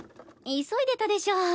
急いでたでしょ。